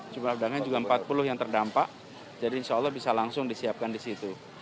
jumlah pedagangnya juga empat puluh yang terdampak jadi insya allah bisa langsung disiapkan di situ